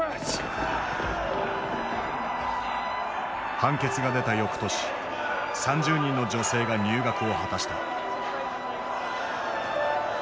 判決が出たよくとし３０人の女性が入学を果たした。